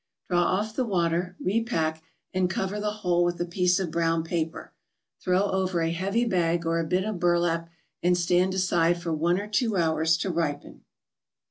Draw off the water, repack, and cover the whole with a piece of brown paper; throw over a heavy bag or a bit of burlap, and stand aside for one or two hours to ripen.